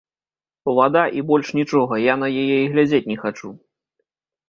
Вада, і больш нічога, я на яе і глядзець не хачу.